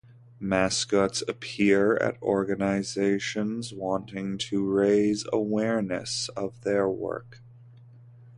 Mascots appear at organizations wanting to raise awareness of their work.